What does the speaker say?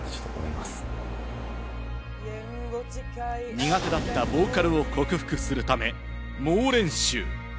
苦手だったボーカルを克服するため、猛練習。